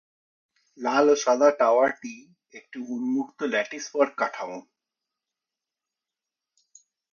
লাল ও সাদা টাওয়ারটি একটি উন্মুক্ত ল্যাটিসওয়ার্ক কাঠামো।